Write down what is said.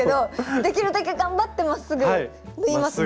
できるだけ頑張ってまっすぐ縫いますね。